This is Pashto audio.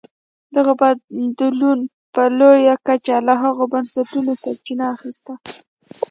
دغه بدلون په لویه کچه له هغو بنسټونو سرچینه اخیسته.